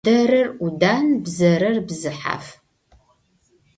Дэрэр Ӏудан, бзэрэр бзыхьаф.